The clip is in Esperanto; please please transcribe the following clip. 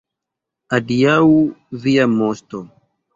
Adiaŭ, via Moŝto.